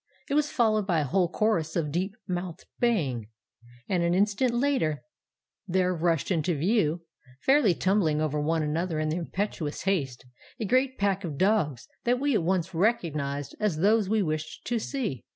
It was followed by a whole chorus of deep mouthed baying, and an instant later there rushed into view, fairly tumbling over one another in their impetuous haste, a great pack of dogs that we at once recognized as those we wished to see.